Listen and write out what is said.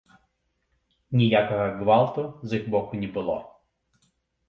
Ніякага гвалту з іх боку не было.